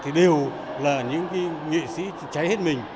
thì đều là những nghệ sĩ cháy hết mình